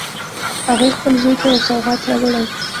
هغې خپل زوی ته یو سوغات راوړی